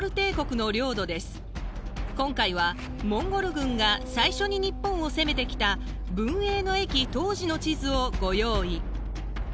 今回はモンゴル軍が最初に日本を攻めてきた文永の役当時の地図をご用意。